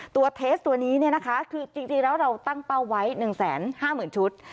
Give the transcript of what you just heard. เทสตัวนี้เนี่ยนะคะคือจริงแล้วเราตั้งเป้าไว้๑๕๐๐๐ชุด